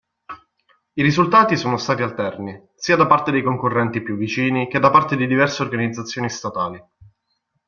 I risultati sono stati alterni, sia da parte dei concorrenti più vicini che da parte di diverse organizzazioni statali.